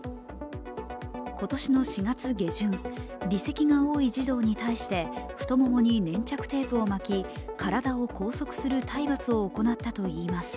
今年の４月下旬、離席が多い児童に対して太ももに粘着テープを巻き、体を拘束する体罰を行ったといいます。